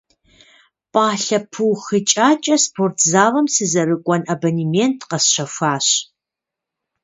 Пӏалъэ пыухыкӏакӏэ спортзалым сызэрыкӏуэн абонемент къэсщэхуащ.